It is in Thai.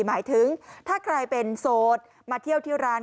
หมายถึงถ้าใครเป็นโสดมาเที่ยวที่ร้าน